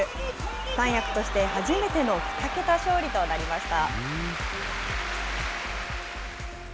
三役として初めての２桁勝利となりました。